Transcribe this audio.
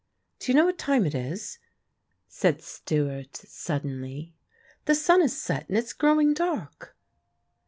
"Do you know what time it is?" said Stewart, suddenly. "The sun has set and it's growing dark."